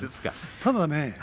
ただね